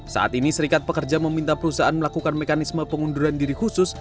saat ini serikat pekerja meminta perusahaan melakukan mekanisme pengunduran diri khusus